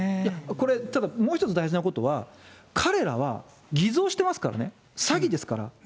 これ、もう一つ大事なことは、彼らは偽造してますからね、詐欺ですから。